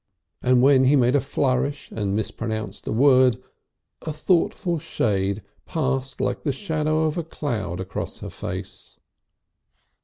And when he made a flourish and mispronounced a word a thoughtful shade passed like the shadow of a cloud across her face.